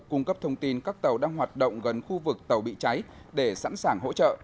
cung cấp thông tin các tàu đang hoạt động gần khu vực tàu bị cháy để sẵn sàng hỗ trợ